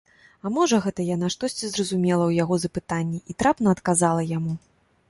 А можа гэта яна штосьці зразумела ў яго запытанні і трапна адказала яму.